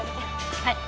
はい。